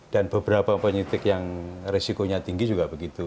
dan beberapa penyitik yang risikonya tinggi juga begitu